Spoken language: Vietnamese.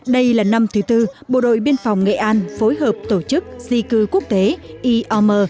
đây là năm thứ tư bộ đội biên phòng nghệ an phối hợp tổ chức di cư quốc tế iom